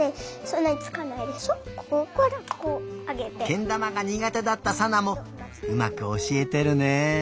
けんだまがにがてだったさなもうまくおしえてるね。